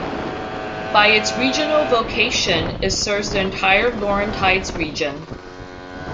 By its regional vocation, it serves the entire Laurentides region.